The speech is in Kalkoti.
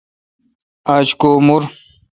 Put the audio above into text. آج کو مور۔